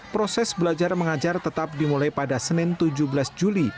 proses belajar mengajar tetap dimulai pada senin tujuh belas juli